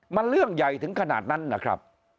มันเรื่องใหญ่ถึงขนาดนั้นนะครับ